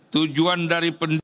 tujuan dari penduduk